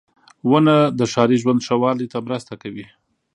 • ونه د ښاري ژوند ښه والي ته مرسته کوي.